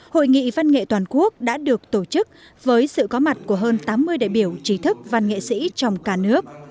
hai mươi năm hai mươi sáu hai mươi bảy bảy một nghìn chín trăm bốn mươi tám hội nghị văn nghệ toàn quốc đã được tổ chức với sự có mặt của hơn tám mươi đại biểu trí thức văn nghệ sĩ trong cả nước